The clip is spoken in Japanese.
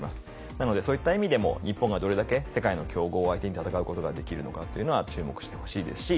なのでそういった意味でも日本がどれだけ世界の強豪を相手に戦うことができるのかっていうのは注目してほしいですし。